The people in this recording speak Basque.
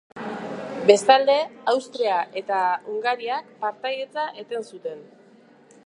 Bestalde, Austria eta Hungariak partaidetza eten zuten.